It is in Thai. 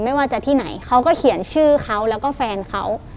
ไม่ว่าจะที่ไหนเขาก็เขียนชื่อเขาแล้วก็แฟนเขา